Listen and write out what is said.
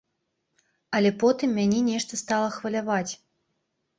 Але потым мяне нешта стала хваляваць.